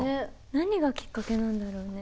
何がきっかけなんだろうね。